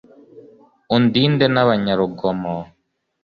undinde n'abanyarugomo